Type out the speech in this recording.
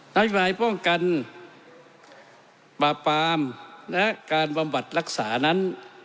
นโยบายป้องกันปราบปรามและการบำบัดรักษานั้น